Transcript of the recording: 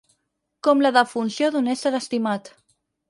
Com la defunció d'un ésser estimat.